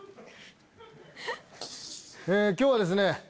今日はですね。